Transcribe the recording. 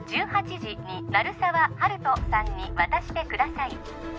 １８時に鳴沢温人さんに渡してください